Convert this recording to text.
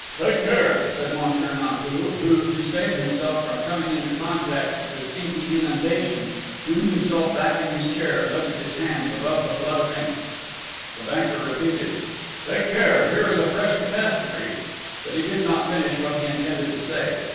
"Take care!" said Monsieur Nanteuil, who, to save himself from coming into contact with this inky inundation, threw himself back in his chair, and lifted his hands above the flood of ink.... The banker repeated: "Take care!... Here is a fresh catastrophe!..." But he did not finish what he intended to say!